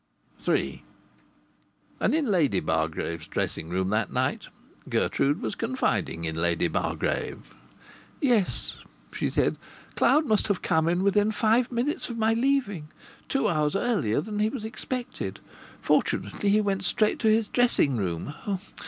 III And in Lady Bargrave's dressing room that night Gertrude was confiding in Lady Bargrave. "Yes," she said, "Cloud must have come in within five minutes of my leaving two hours earlier than he was expected. Fortunately he went straight to his dressing room.